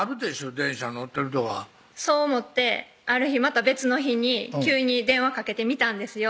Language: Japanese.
電車乗ってるとかそう思ってある日また別の日に急に電話かけてみたんですよ